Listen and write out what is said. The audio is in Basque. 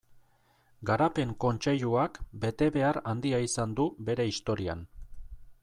Garapen Kontseiluak betebehar handia izan du bere historian.